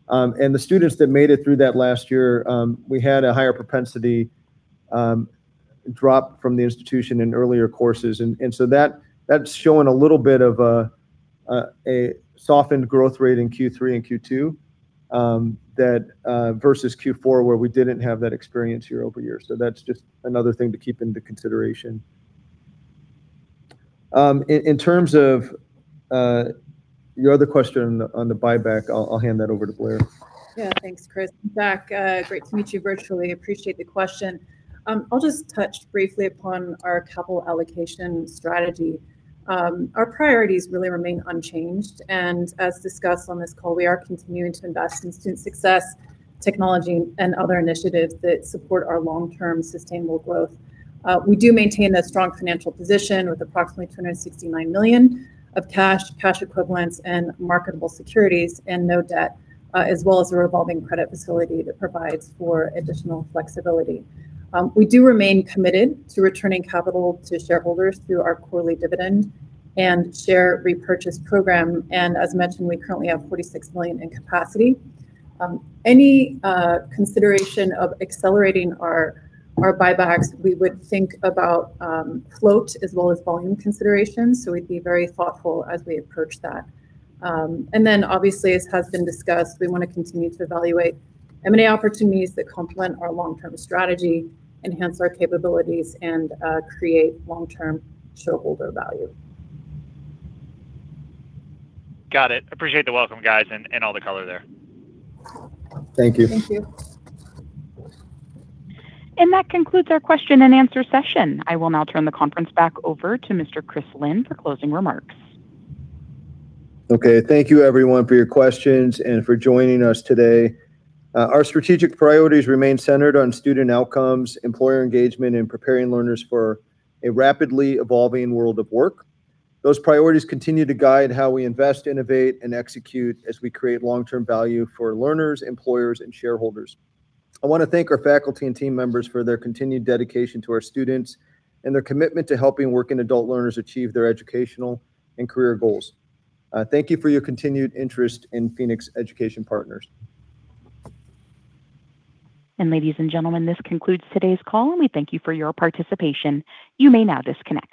The students that made it through that last year, we had a higher propensity drop from the institution in earlier courses. That's showing a little bit of a softened growth rate in Q3 and Q2 versus Q4, where we didn't have that experience year-over-year. That's just another thing to keep into consideration. In terms of your other question on the buyback, I'll hand that over to Blair. Yeah. Thanks, Chris. Jack, great to meet you virtually, appreciate the question. I'll just touch briefly upon our capital allocation strategy. Our priorities really remain unchanged, as discussed on this call, we are continuing to invest in student success, technology, and other initiatives that support our long-term sustainable growth. We do maintain a strong financial position with approximately $269 million of cash equivalents, and marketable securities, and no debt, as well as a revolving credit facility that provides for additional flexibility. We do remain committed to returning capital to shareholders through our quarterly dividend and share repurchase program. As mentioned, we currently have $46 million in capacity. Any consideration of accelerating our buybacks, we would think about float as well as volume considerations, we'd be very thoughtful as we approach that. Obviously, as has been discussed, we want to continue to evaluate M&A opportunities that complement our long-term strategy, enhance our capabilities, and create long-term shareholder value. Got it. Appreciate the welcome, guys, and all the color there. Thank you. Thank you. That concludes our question and answer session. I will now turn the conference back over to Mr. Chris Lynne for closing remarks. Okay. Thank you everyone for your questions and for joining us today. Our strategic priorities remain centered on student outcomes, employer engagement, and preparing learners for a rapidly evolving world of work. Those priorities continue to guide how we invest, innovate, and execute as we create long-term value for learners, employers, and shareholders. I want to thank our faculty and team members for their continued dedication to our students and their commitment to helping working adult learners achieve their educational and career goals. Thank you for your continued interest in Phoenix Education Partners. Ladies and gentlemen, this concludes today's call, and we thank you for your participation. You may now disconnect.